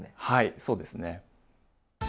はいそうですね。